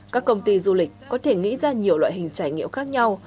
các công ty du lịch có thể nghĩ ra nhiều loại hình trải nghiệm khác nhau